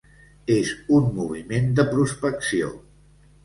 És un moviment de prospecció.